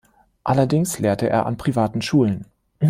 Allerdings lehrte er an privaten Schulen.